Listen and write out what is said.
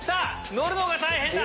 乗るのが大変だ。